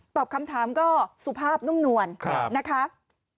ตอบคำถามก็สุภาพนุ่มนวลนะครับ